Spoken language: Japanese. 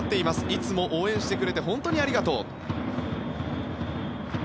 いつも応援してくれて本当にありがとう。